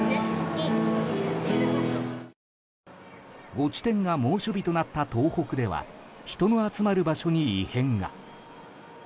５地点が猛暑日となった東北では人の集まる場所に異変が。